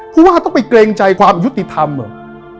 ผู้ว่าต้องไปเกรงใจความยุติธรรมเหรอ